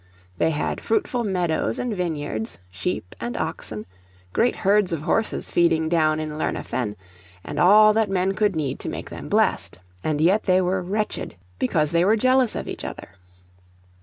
They had fruitful meadows and vineyards, sheep and oxen, great herds of horses feeding down in Lerna Fen, and all that men could need to make them blest: and yet they were wretched, because they were jealous of each other.